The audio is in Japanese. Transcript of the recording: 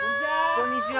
こんにちは！